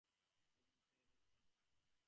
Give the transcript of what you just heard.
–তুমি উঠে এলে ছাদে।